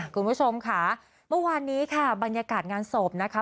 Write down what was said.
คุณผู้ชมค่ะเมื่อวานนี้ค่ะบรรยากาศงานศพนะคะ